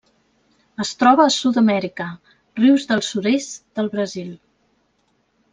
Es troba a Sud-amèrica: rius del sud-est del Brasil.